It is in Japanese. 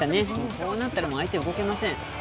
こうなったら相手動けません。